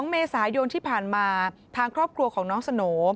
๒เมษายนที่ผ่านมาทางครอบครัวของน้องสโหน่